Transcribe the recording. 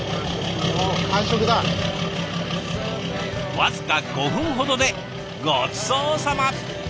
僅か５分ほどでごちそうさま。